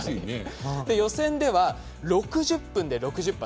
予選では、６０分で６０発。